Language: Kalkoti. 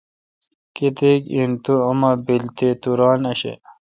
کتیک ایں تو ام بیل تہ تو ران آݭہ۔